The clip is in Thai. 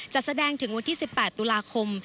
จะแสดงถึงวันที่๑๘ตุลาคม